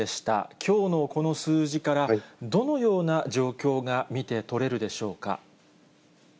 きょうのこの数字から、どのような状況が見て取れるでしょうか。